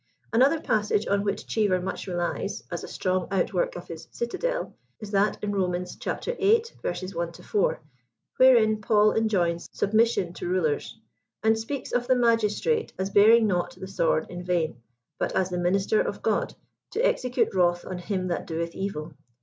Atiother passage on which Cheever much relies, as a strong outwork of his "citadel," is that in Romans, xiii. 1 — 4, wherein Paul enjoins submission to rulers, and speaks of the magistrate as bearing not the sword in vain, but as the minister of God. to execute wrath on him that doeth evil.